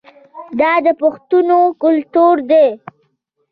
دا د پښتنو کلتور دی.